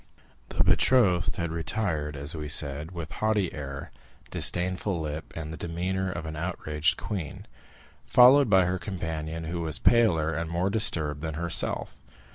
The betrothed had retired, as we said, with haughty air, disdainful lip, and the demeanor of an outraged queen, followed by her companion, who was paler and more disturbed than herself.